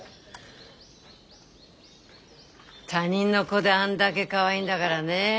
他人の子であんだげかわいいんだがらねえ。